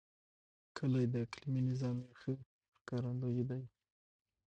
کلي د اقلیمي نظام یو ښه ښکارندوی دی.